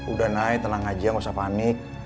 udah nay tenang aja gak usah panik